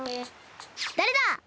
だれだ！？